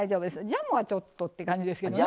ジャムはちょっとって感じですけど。